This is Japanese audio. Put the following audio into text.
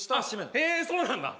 へえそうなんだ